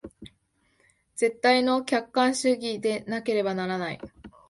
絶対の客観主義でなければならない。